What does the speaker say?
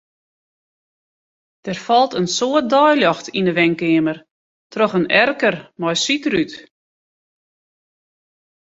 Der falt in soad deiljocht yn 'e wenkeamer troch in erker mei sydrút.